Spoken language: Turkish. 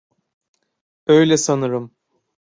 Öyle sanırım.